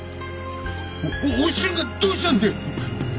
おお俊がどうしたんでぇ！？